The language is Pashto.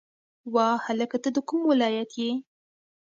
وا هلکه ته د کوم ولایت یی